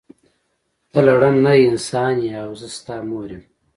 ته لړم نه یی انسان یی او زه ستا مور یم.